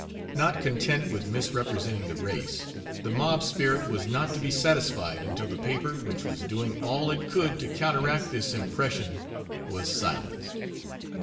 Not content with misrepresenting the race, the mob spirit was not to be satisfied until the paper which was doing all it could to counteract this impression was silenced.